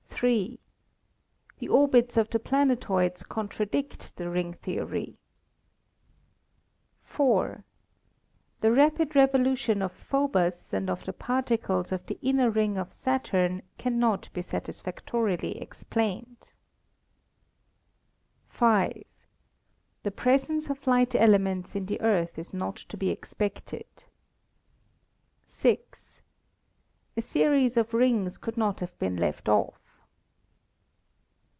"3. The orbits of the planetoids contradict the ring theory. "4. The rapid revolution of Phobos and of the particles of the inner ring of Saturn cannot be satisfactorily ex plained. "5. The presence of light elements in the Earth is not to be expected. "6. A series of rings could not have been left off.